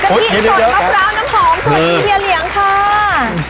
ทิสดมะพร้าวน้ำหอมสวัสดีเฮียเหลียงค่ะ